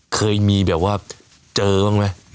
เคยมีแบบว่าเจอบ้างไหม